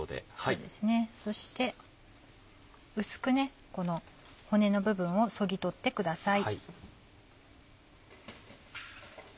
そうですねそして薄く骨の部分をそぎ取ってください。